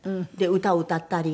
歌を歌ったり。